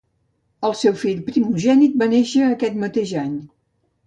El seu fill primogènit va nàixer aquest mateix any.